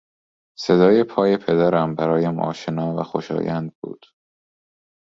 صدای پای پدرم برایم آشنا و خوشایند بود.